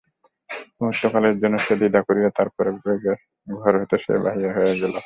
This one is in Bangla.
মুহূর্তকালের জন্য যেন দ্বিধা করিয়া তার পরে বেগে ঘর হইতে সে বাহির হইয়া গেল।